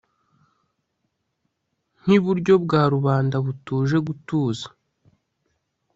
Nkiburyo bwa rubanda butuje gutuza